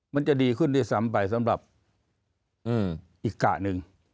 มันจะดีขึ้นด้วยซ้ำไปสำหรับอีกกะหนึ่ง